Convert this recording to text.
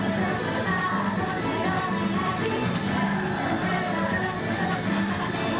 ด้วยด้วยรับไปด้วย